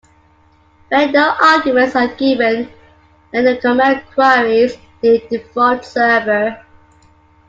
When no arguments are given, then the command queries the default server.